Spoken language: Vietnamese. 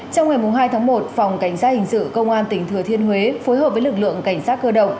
trong ngày hai tháng một phòng cảnh sát hình sự công an tỉnh thừa thiên huế phối hợp với lực lượng cảnh sát cơ động